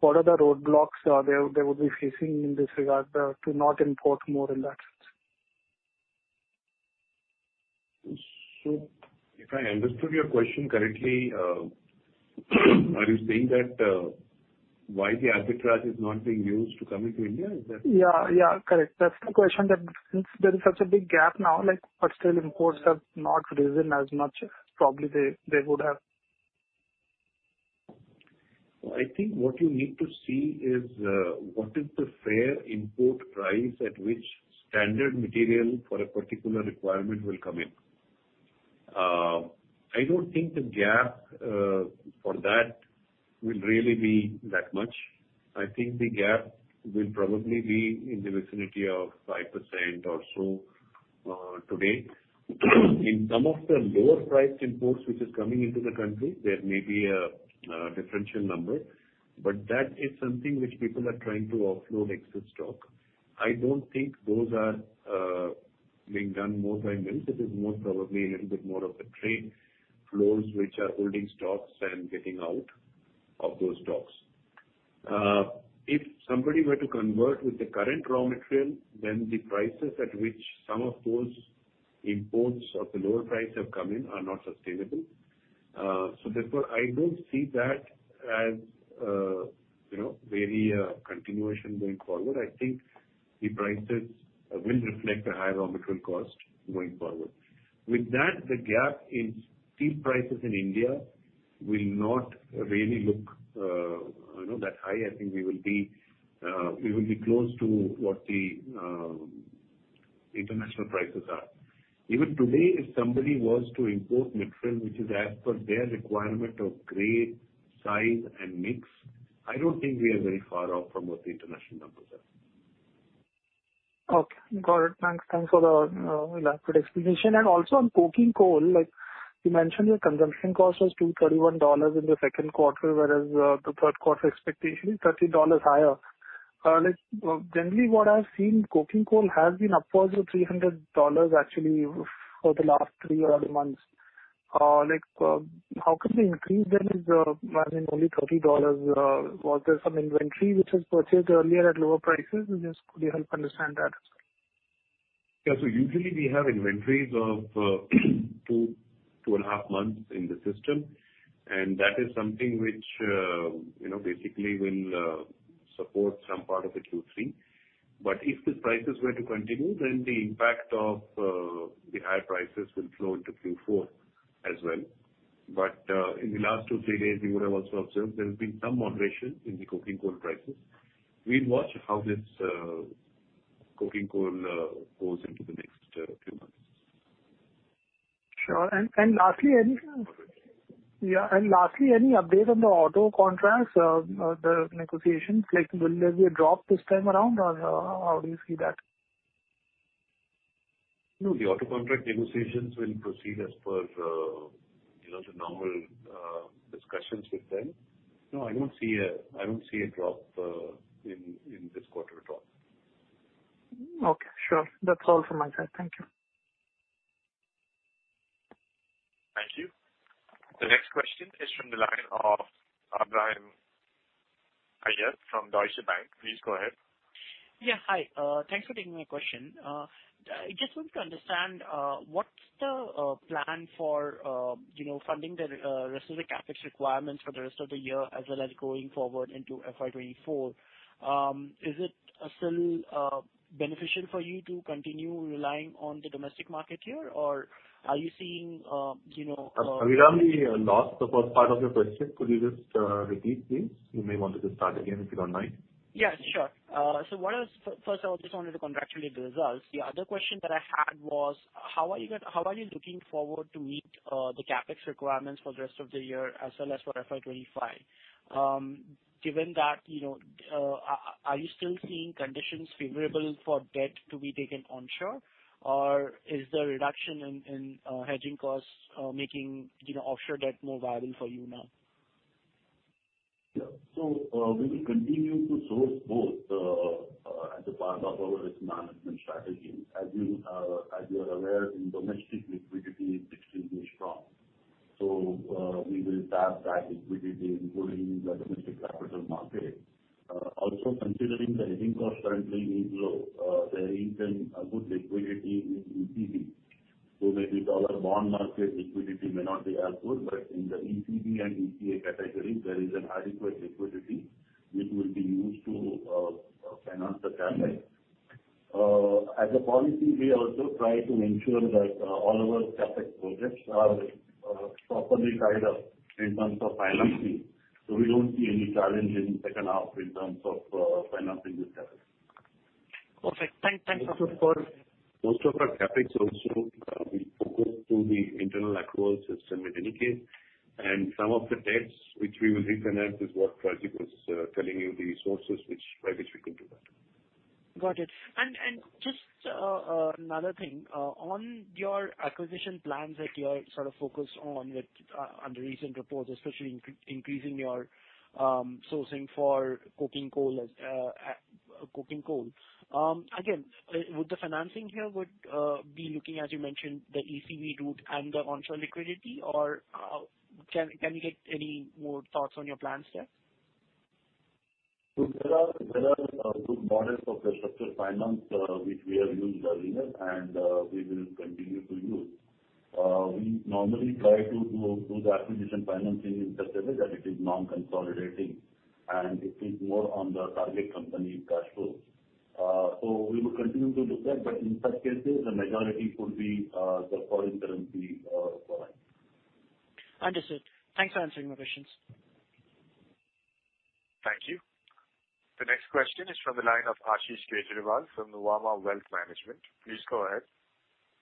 what are the roadblocks they would be facing in this regard to not import more in that sense? If I understood your question correctly, are you saying that why the arbitrage is not being used to come into India? Is that? Yeah, yeah, correct. That's the question that since there is such a big gap now, like, but still imports have not risen as much probably they would have. I think what you need to see is what is the fair import price at which standard material for a particular requirement will come in. I don't think the gap for that will really be that much. I think the gap will probably be in the vicinity of 5% or so today. In some of the lower-priced imports which is coming into the country, there may be a differential number, but that is something which people are trying to offload excess stock. I don't think those are being done more by mills. It is most probably a little bit more of the trade flows which are holding stocks and getting out of those stocks. If somebody were to convert with the current raw material, then the prices at which some of those imports of the lower price have come in are not sustainable. Therefore, I don't see that as, you know, very continuation going forward. I think the prices will reflect the higher raw material cost going forward. With that, the gap in steel prices in India will not really look, you know, that high. I think we will be, we will be close to what the international prices are. Even today, if somebody was to import material which is as per their requirement of grade, size, and mix, I don't think we are very far off from what the international numbers are. Okay. Got it. Thanks. Thanks for the elaborate explanation. Also on coking coal, like you mentioned, your consumption cost was $231 in the second quarter, whereas the third quarter expectation is $30 higher. Like generally what I've seen, coking coal has been upwards of $300 actually for the last three or other months. Like how could the increase then is, I mean, only $30? Was there some inventory which was purchased earlier at lower prices? Just could you help understand that? Yeah. Usually we have inventories of two, two and a half months in the system, and that is something which, you know, basically will support some part of Q3. If the prices were to continue, then the impact of the higher prices will flow into Q4 as well. In the last two o three days, you would have also observed there has been some moderation in the coking coal prices. We'll watch how this coking coal goes into the next few months. Sure. Yeah, and lastly, any update on the auto contracts, the negotiations, like will there be a drop this time around, or how do you see that? No, the auto contract negotiations will proceed as per, you know, the normal discussions with them. No, I don't see a drop in this quarter at all. Okay, sure. That's all from my side. Thank you. Thank you. The next question is from the line of Brian Ayer from Deutsche Bank. Please go ahead. Yeah, hi. Thanks for taking my question. I just want to understand what's the plan for, you know, funding the rest of the CapEx requirements for the rest of the year as well as going forward into FY 2024. Is it still beneficial for you to continue relying on the domestic market here, or are you seeing, you know, I didn't hear the last but first part of your question. Could you just repeat, please? You may want to just start again, if you don't mind. Yeah, sure. First, I just wanted to congratulate the results. The other question that I had was how are you gonna, how are you looking forward to meet the CapEx requirements for the rest of the year as well as for FY 2025? Given that, you know, are you still seeing conditions favorable for debt to be taken onshore, or is the reduction in hedging costs making, you know, offshore debt more viable for you now? Yeah. We will continue to source both as a part of our risk management strategy. As you are aware, in domestic, liquidity is extremely strong. We will tap that liquidity including the domestic capital market. Also, considering the hedging cost currently is low, there is a good liquidity in ECB. Maybe dollar bond market liquidity may not be as good, but in the ECB and ECA categories, there is an adequate liquidity which will be used to finance the CapEx. As a policy, we also try to ensure that all of our CapEx projects are properly tied up in terms of financing. We don't see any challenge in the second half in terms of financing the CapEx. Perfect. Thanks. Most of our CapEx also, we focus to the internal accruals system in any case, and some of the debts which we will refinance is what Pritesh was telling you, the resources which, by which we could do that. Got it. Just another thing on your acquisition plans that you are sort of focused on on the recent reports, especially increasing your sourcing for coking coal as coking coal. Again, would the financing here be looking, as you mentioned, the ECB route and the onshore liquidity? Or can we get any more thoughts on your plans there? There are, there are good models of the structured finance which we have used earlier and we will continue to use. We normally try to do, do the acquisition financing in such a way that it is non-consolidating and it is more on the target company cash flow. We will continue to do that, but in such cases, the majority could be the foreign currency borrowing. Understood. Thanks for answering my questions. Thank you. The next question is from the line of Ashish Kejriwal from the Nuvama Wealth Management. Please go ahead.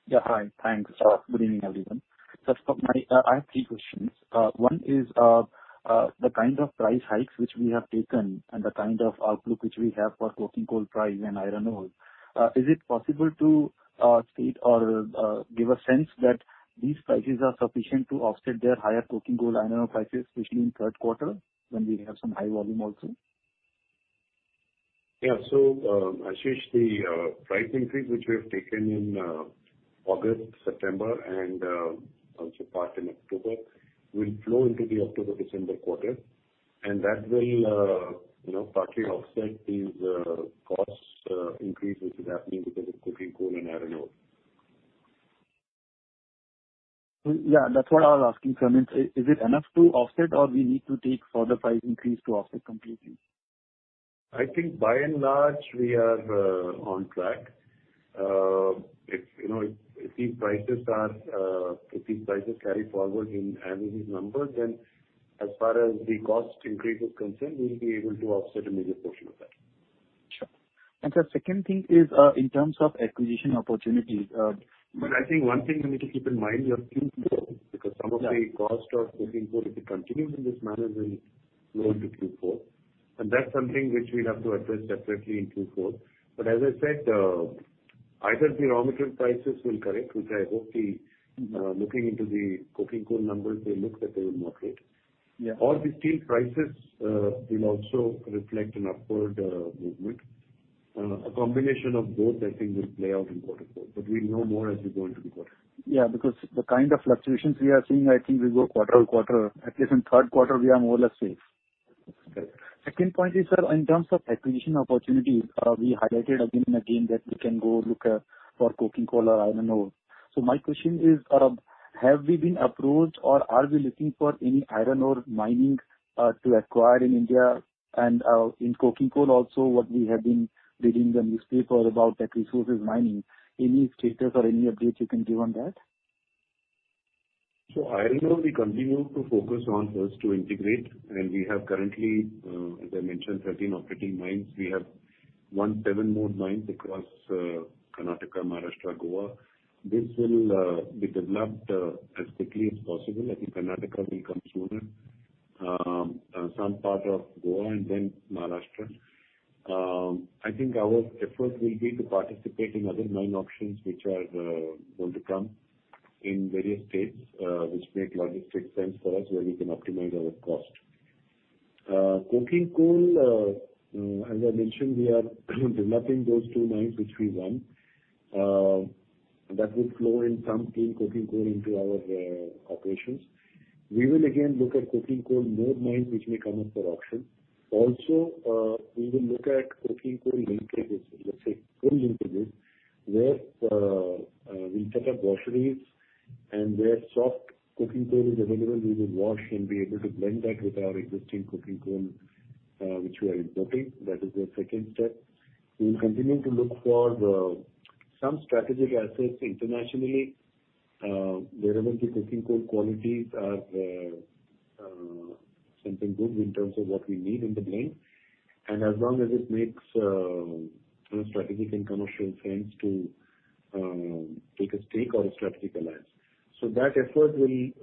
Yeah, hi. Thanks. Good evening, everyone. Just, I have three questions. One is the kind of price hikes which we have taken and the kind of outlook which we have for coking coal price and iron ore. Is it possible to state or give a sense that these prices are sufficient to offset their higher coking coal iron ore prices, especially in third quarter, when we have some high volume also? Yeah. Ashish, the price increase, which we have taken in August, September and also part in October, will flow into the October-December quarter. That will, you know, partly offset these cost increases, which is happening because of coking coal and iron ore. Yeah, that's what I was asking, sir. I mean, is it enough to offset or we need to take further price increase to offset completely? Sure. The second thing is in terms of acquisition opportunities. I think one thing we need to keep in mind, we are Q4, because some of the. Yeah. Cost of coking coal, if it continues in this manner, will flow into Q4, and that's something which we'll have to address separately in Q4. As I said, either the raw material prices will correct, which I hope the. Mm-hmm. Looking into the coking coal numbers, they look that they will moderate. Yeah. The steel prices will also reflect an upward movement. A combination of both I think will play out in quarter four, but we'll know more as we go into the quarter. Yeah, because the kind of fluctuations we are seeing, I think will go quarter-on-quarter. At least in third quarter, we are more or less safe. Okay. Second point is, sir, in terms of acquisition opportunities, we highlighted again and again that we can go look for coking coal or iron ore. My question is, have we been approached or are we looking for any iron ore mining to acquire in India? In coking coal also, what we have been reading in the newspaper about that Teck Resources, any status or any updates you can give on that? Iron ore, we continue to focus on first to integrate, and we have currently, as I mentioned, 13 operating mines. We have seven more mines across Karnataka, Maharashtra, Goa. This will be developed as quickly as possible. I think Karnataka will come sooner, some part of Goa and then Maharashtra. I think our effort will be to participate in other mine auctions, which are going to come in various states, which make logistic sense for us, where we can optimize our cost. Coking coal, as I mentioned, we are developing those two mines which we won. That would flow in some clean coking coal into our operations. We will again look at coking coal, more mines which may come up for auction. Also, we will look at coking coal linkages, let's say, full linkages, where we set up washeries and where soft coking coal is available. We will wash and be able to blend that with our existing coking coal which we are importing. That is the second step. We will continue to look for some strategic assets internationally, wherever the coking coal qualities are something good in terms of what we need in the blend, and as long as it makes both strategic and commercial sense to take a stake or a strategic alliance. That effort will be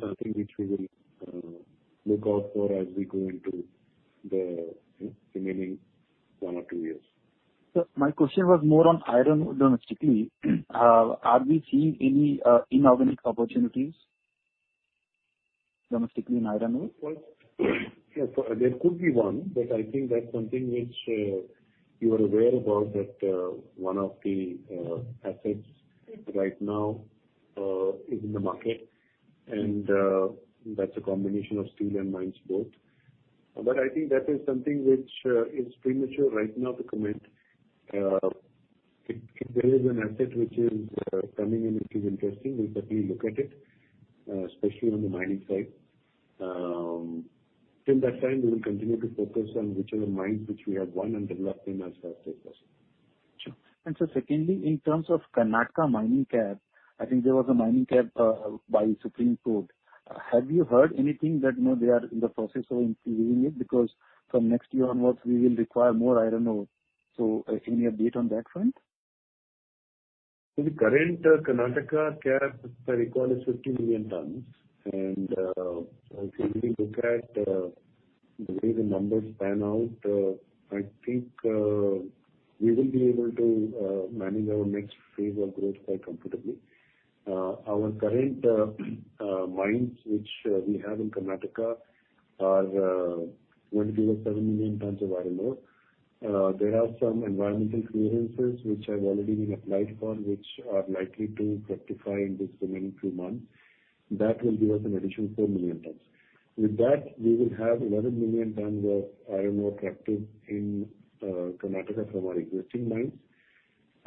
something which we will look out for as we go into the remaining one or two years. Sir, my question was more on iron ore domestically. Are we seeing any inorganic opportunities domestically in iron ore? Well, yes, there could be one, but I think that's something which you are aware about, that one of the assets right now is in the market, and that's a combination of steel and mines both. I think that is something which is premature right now to comment. If there is an asset which is coming in, which is interesting, we'll certainly look at it, especially on the mining side. Till that time, we will continue to focus on whichever mines which we have won and developing as well as possible. Sure. Sir, secondly, in terms of Karnataka mining cap, I think there was a mining cap by Supreme Court. Have you heard anything that, you know, they are in the process of increasing it? Because from next year onwards, we will require more iron ore. Any update on that front? The current Karnataka cap, if I recall, is 50 million tons. If you look at the way the numbers pan out, I think we will be able to manage our next phase of growth quite comfortably. Our current mines, which we have in Karnataka, are going to give us 7 million tons of iron ore. There are some environmental clearances which have already been applied for, which are likely to fructify in this remaining few months. That will give us an additional 4 million tons. With that, we will have 11 million tons of iron ore captive in Karnataka from our existing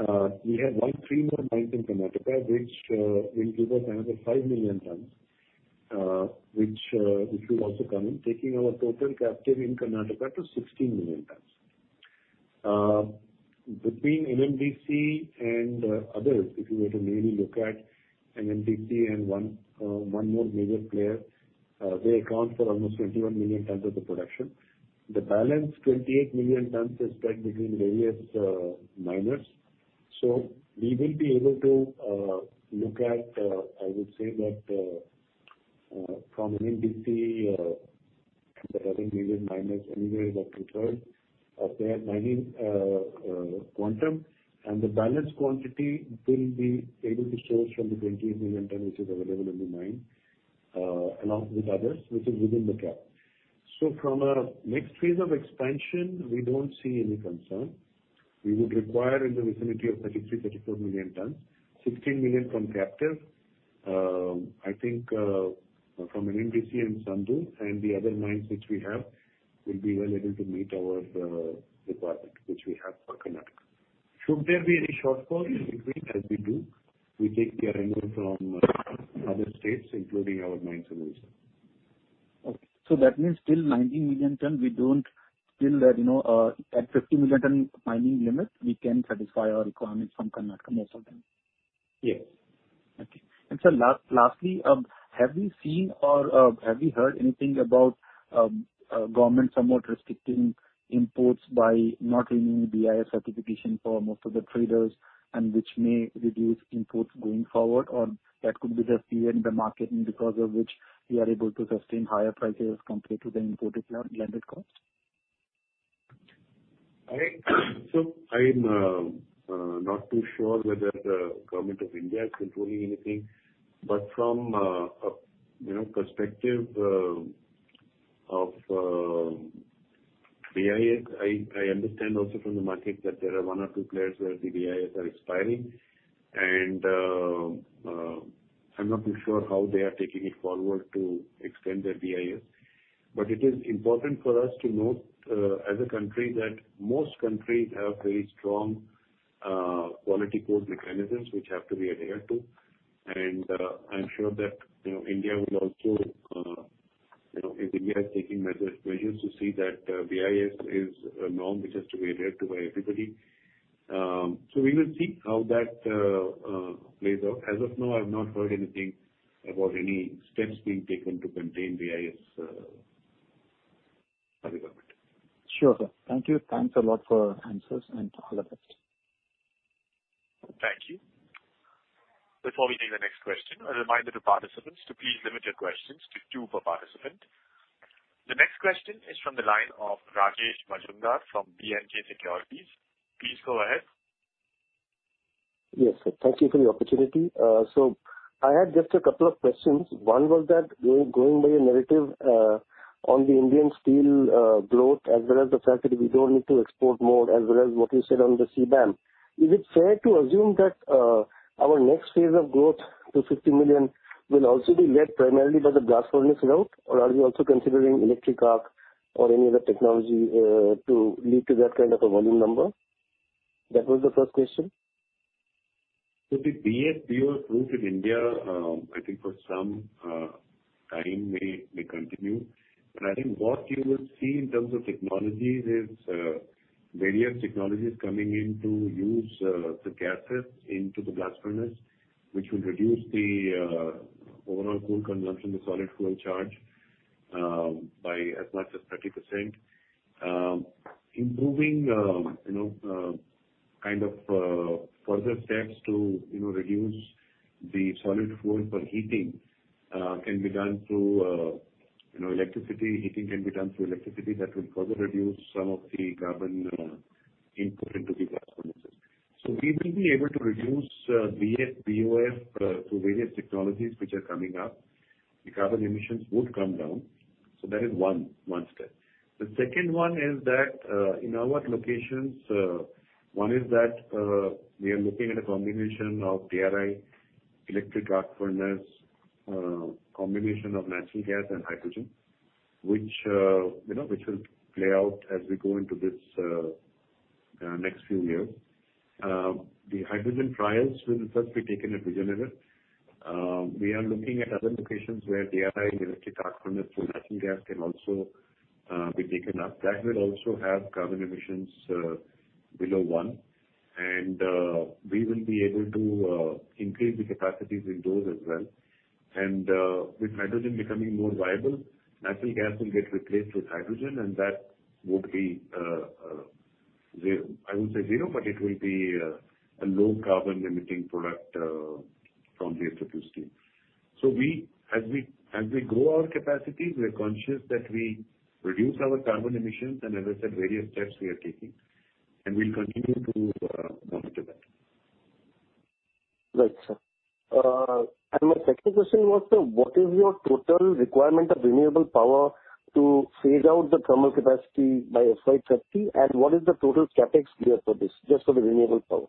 mines. We have three more mines in Karnataka, which will give us another 5 million tons, which will also come in, taking our total captive in Karnataka to 16 million tons. Between NMDC and others, if you were to mainly look at NMDC and one more major player, they account for almost 21 million tons of the production. The balance 28 million tons is spread between various miners. We will be able to look at... I would say that from NMDC, the other major miners anywhere about two-third of their mining quantum, and the balance quantity will be able to source from the 20 million ton, which is available in the mine, along with others, which is within the cap. From a next phase of expansion, we don't see any concern. We would require in the vicinity of 33 million-34 million tons, 16 million from captive. I think from NMDC and Sandur and the other mines which we have will be well able to meet our requirement which we have for Karnataka. Should there be any shortfall, as we do, we take care anywhere from other states, including our mines in Odisha. Okay. That means till 19 million ton, we don't build that, you know, at 50 million ton mining limit, we can satisfy our requirements from Karnataka most of the time? Yes. Okay. Sir, last, lastly, have you seen or have you heard anything about government somewhat restricting imports by not renewing BIS certification for most of the traders, and which may reduce imports going forward, or that could be just fear in the market and because of which we are able to sustain higher prices compared to the imported landed cost? I'm not too sure whether the Government of India is controlling anything, but from, you know, perspective of BIS, I understand also from the market that there are one or two players where the BIS are expiring. I'm not too sure how they are taking it forward to extend their BIS. It is important for us to note as a country that most countries have very strong quality code mechanisms which have to be adhered to. I'm sure that, you know, India will also, you know, India is taking measures to see that BIS is a norm which has to be adhered to by everybody. We will see how that plays out. As of now, I've not heard anything about any steps being taken to contain BIS by the government. Sure, sir. Thank you. Thanks a lot for your answers, and all the best. Thank you. Before we take the next question, a reminder to participants to please limit your questions to two per participant. The next question is from the line of Rajesh Majumdar from B&K Securities. Please go ahead. Yes, sir. Thank you for the opportunity. I had just a couple of questions. One was that going by a narrative on the Indian steel growth, as well as the fact that we don't need to export more, as well as what you said on the CBAM, is it fair to assume that our next phase of growth to 50 million will also be led primarily by the blast furnace route? Or are you also considering electric arc or any other technology to lead to that kind of a volume number? That was the first question. The BF-BOF route in India, I think for some time may continue. I think what you will see in terms of technologies is various technologies coming in to use the gases into the blast furnace, which will reduce the overall coal consumption, the solid fuel charge, by as much as 30%. Improving, you know, kind of further steps to, you know, reduce the solid fuel for heating can be done through, you know, electricity. Heating can be done through electricity. That will further reduce some of the carbon input into the blast furnaces. We will be able to reduce B.F. BOF through various technologies which are coming up. The carbon emissions would come down, so that is one step. The second one is that in our locations, one is that we are looking at a combination of DRI, electric arc furnace, combination of natural gas and hydrogen, which, you know, which will play out as we go into this next few years. The hydrogen trials will first be taken at Vizag level. We are looking at other locations where DRI and electric arc furnace, so natural gas can also be taken up. That will also have carbon emissions below one, and we will be able to increase the capacities in those as well. With hydrogen becoming more viable, natural gas will get replaced with hydrogen, and that would be zero. I won't say zero, but it will be a low carbon emitting product from JSW Steel. As we grow our capacity, we're conscious that we reduce our carbon emissions, and as I said, various steps we are taking, and we'll continue to monitor that. Right, sir. My second question was, so what is your total requirement of renewable power to phase out the thermal capacity by FY 2030, and what is the total CapEx required for this, just for the renewable power?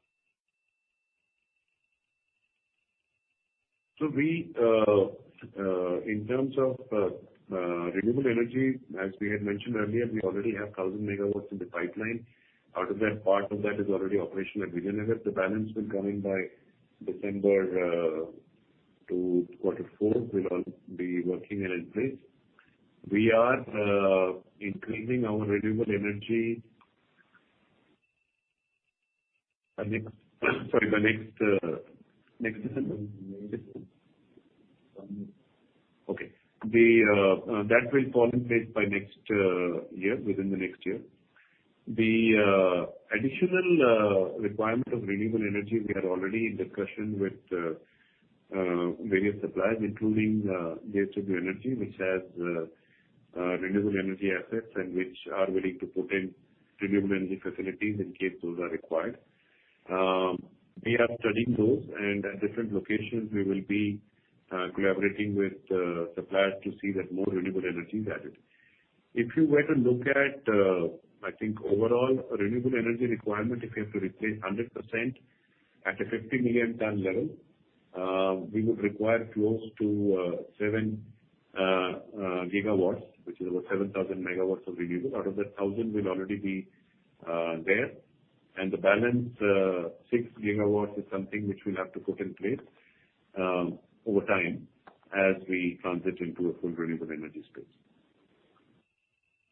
In terms of renewable energy, as we had mentioned earlier, we already have 1,000 MW in the pipeline. Out of that, part of that is already operational at Vijayanagar. The balance will come in by December to quarter four, will all be working and in place. We are increasing our renewable energy, I think, sorry, the next- Okay. That will fall in place by next year, within the next year. The additional requirement of renewable energy, we are already in discussion with various suppliers, including JSW Energy, which has renewable energy assets and which are willing to put in renewable energy facilities in case those are required. We are studying those, and at different locations we will be collaborating with suppliers to see that more renewable energy is added. If you were to look at, I think overall renewable energy requirement, if we have to replace 100% at a 50 million ton level, we would require close to 7 GW, which is about 7,000 MW of renewable. Out of that, 1,000 will already be there, and the balance, 6 GW is something which we'll have to put in place over time as we transit into a full renewable energy space.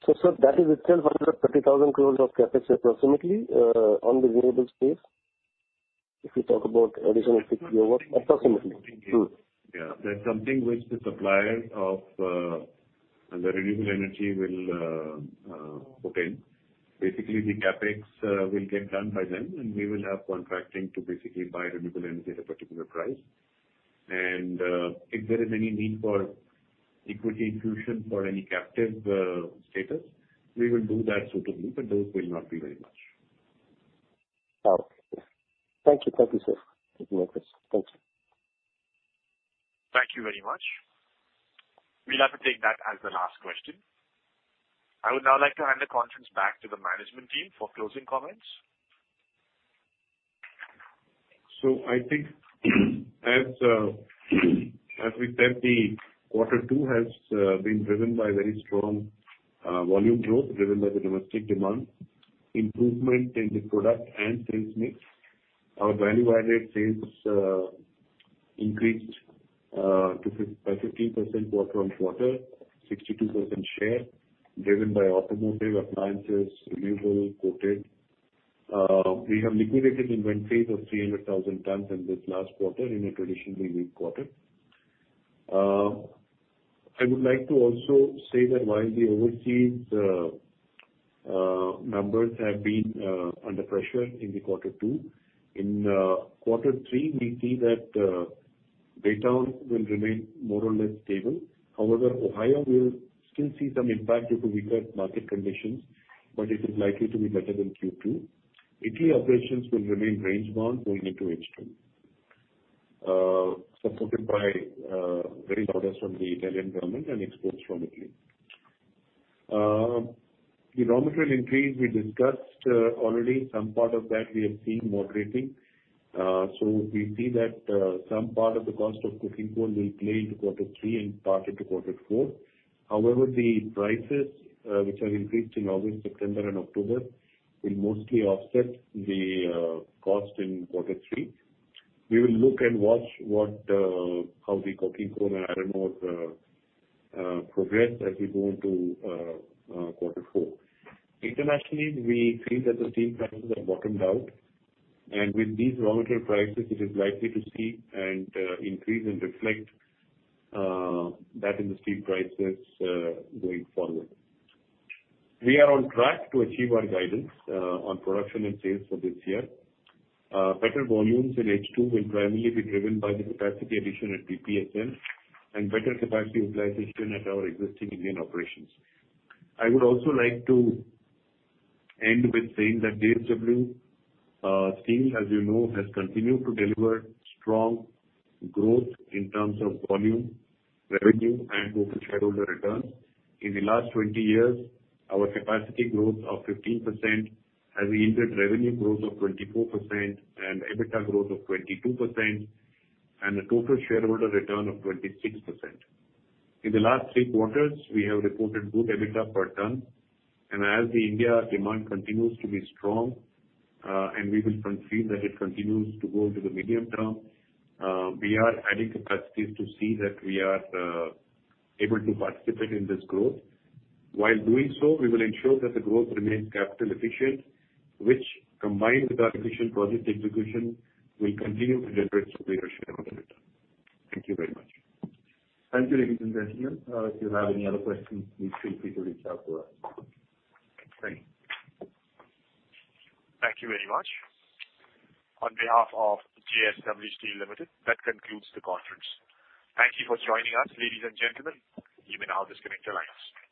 Sir, that is still under 30,000 crore of CapEx approximately on the renewable space, if you talk about additional 6 GW, approximately? True. Yeah. That's something which the suppliers of the renewable energy will put in. Basically, the CapEx will get done by them, and we will have contracting to basically buy renewable energy at a particular price. If there is any need for equity inclusion or any captive status, we will do that suitably, but those will not be very much. Okay. Thank you. Thank you, sir. Thank you for this. Thank you. Thank you very much. We'll have to take that as the last question. I would now like to hand the conference back to the management team for closing comments. I think, as we said, the quarter two has been driven by very strong volume growth, driven by the domestic demand, improvement in the product and sales mix. Our value-added sales increased by 15% quarter-on-quarter, 62% share, driven by automotive, appliances, renewable, coated. We have liquidated inventories of 300,000 tons in this last quarter in a traditionally weak quarter. I would like to also say that while the overseas numbers have been under pressure in the quarter two, in quarter three, we see that Baytown will remain more or less stable. However, Ohio will still see some impact due to weaker market conditions, but it is likely to be better than Q2. Italy operations will remain range-bound going into H2, supported by very orders from the Italian government and exports from Italy. The raw material increase we discussed already. Some part of that we have seen moderating. We see that some part of the cost of coking coal will play into quarter three and part into quarter four. However, the prices which have increased in August, September and October, will mostly offset the cost in quarter three. We will look and watch how the coking coal and iron ore progress as we go into quarter four. Internationally, we feel that the steel prices have bottomed out, and with these raw material prices, it is likely to see and increase and reflect that in the steel prices going forward. We are on track to achieve our guidance on production and sales for this year. Better volumes in H2 will primarily be driven by the capacity addition at BPSL and better capacity utilization at our existing Indian operations. I would also like to end with saying that JSW Steel, as you know, has continued to deliver strong growth in terms of volume, revenue, and total shareholder return. In the last 20 years, our capacity growth of 15% has yielded revenue growth of 24% and EBITDA growth of 22%, and a total shareholder return of 26%. In the last three quarters, we have reported good EBITDA per ton, and as the India demand continues to be strong and we will confirm that it continues to go into the medium term, we are adding capacities to see that we are able to participate in this growth. While doing so, we will ensure that the growth remains capital efficient, which, combined with our efficient project execution, will continue to generate superior shareholder return. Thank you very much. Thank you, ladies and gentlemen. If you have any other questions, please feel free to reach out to us. Thank you. Thank you very much. On behalf of JSW Steel Limited, that concludes the conference. Thank you for joining us, ladies and gentlemen. You may now disconnect your lines.